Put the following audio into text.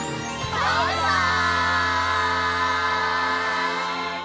バイバイ！